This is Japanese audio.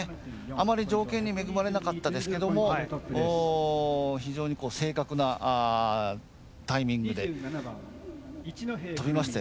あまり条件に恵まれなかったですけども非常に正確なタイミングで飛びましたよね。